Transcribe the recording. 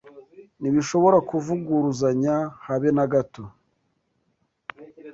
ntibishobora kuvuguruzanya habe nagato